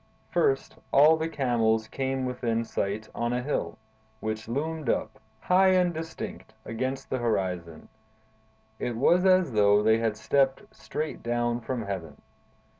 First, all the camels came within sight on a hill, which loomed up, high and distinct, against the horizon; it was as though they had stepped straight down from heaven.